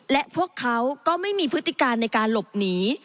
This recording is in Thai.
และพวกเขาก็ไม่มีพฤติการในการหลบหนี